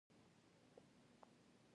دا ژورنال د کتابونو بیاکتنې نه خپروي.